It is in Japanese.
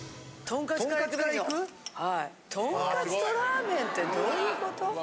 トンカツとラーメンってどういうこと？